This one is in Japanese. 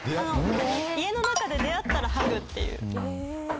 家の中で出会ったらハグっていう。